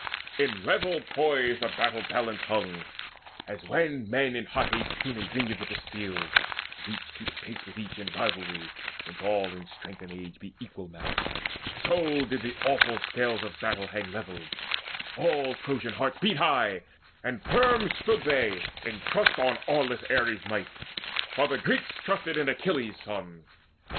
In level poise The battle balance hung. As when young men In hot haste prune a vineyard with the steel, And each keeps pace with each in rivalry, Since all in strength and age be equal matched; So did the awful scales of battle hang Level: all Trojan hearts beat high, and firm Stood they in trust on aweless Ares' might, While the Greeks trusted in Achilles' son.